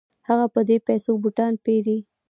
هغه په دې پیسو بوټان پيري.